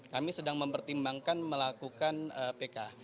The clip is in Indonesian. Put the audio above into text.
kami sedang mempertimbangkan melakukan pk